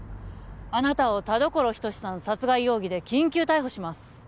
あなたを田所仁志さん殺害容疑で緊急逮捕します